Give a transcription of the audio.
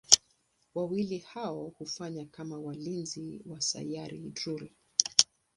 Wawili hao hufanya kama walinzi wa Sayari Drool.